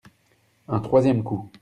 Un troisième coup.